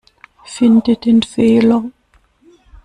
Finde den Fehler.